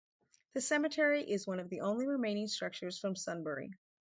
The cemetery is one of the only remaining structures from Sunbury.